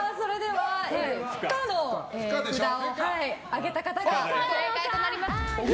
不可の札を上げた方が正解となります。